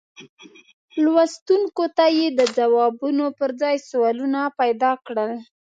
لوستونکو ته یې د ځوابونو پر ځای سوالونه پیدا کړل.